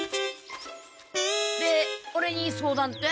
でオレに相談って？